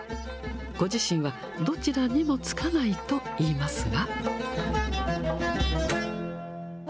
ご自身はどちらにもつかないと言いますが。